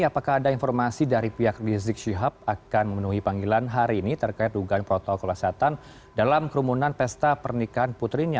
apakah ada informasi dari pihak rizik syihab akan memenuhi panggilan hari ini terkait dugaan protokol kesehatan dalam kerumunan pesta pernikahan putrinya